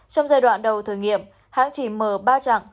trong giai đoạn đầu thử nghiệm hãng chỉ mở ba trạng